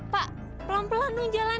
pak pelan pelan non jalan